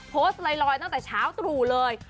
โพสต์ลอยตั้งแต่เช้าตรู่เลย